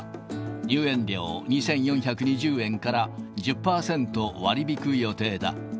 入園料２４２０円から、１０％割り引く予定だ。